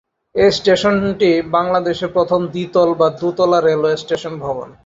এই স্টেশনটি বাংলাদেশের প্রথম দ্বিতল বা দোতলা রেলওয়ে স্টেশন ভবন।